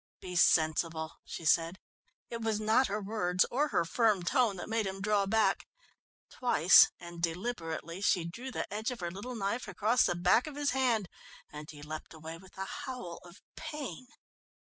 "Be sensible," she said. It was not her words or her firm tone that made him draw back. Twice and deliberately she drew the edge of her little knife across the back of his hand, and he leapt away with a howl of pain.